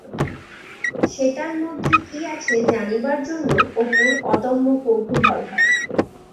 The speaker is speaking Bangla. সেটার মধ্যে কি আছে জানিবার জন্য অপুর অদম্য কৌতূহল হয়।